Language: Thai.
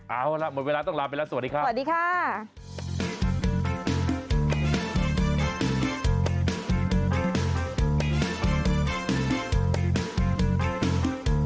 เอาละหมดเวลาต้องลาไปแล้วสวัสดีค่ะ